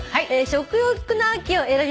「食欲の秋」を選びました